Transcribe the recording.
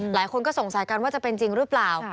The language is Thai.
หลายคนก็สงสัยกันว่าจะเป็นจริงหรือเปล่า